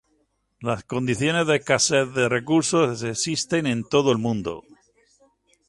Las condiciones de escasez de recursos existen en todo el mundo.